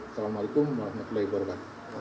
assalamu alaikum warahmatullahi wabarakatuh